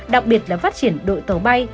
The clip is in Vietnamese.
đặc biệt là phát triển đội tàu bay